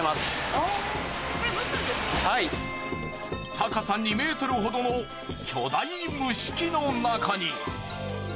高さ２ｍほどの巨大蒸し器の中に。